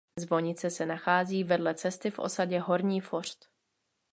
Zvonice se nachází vedle cesty v osadě Horní Fořt.